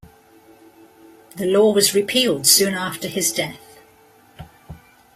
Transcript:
The law was repealed soon after his death.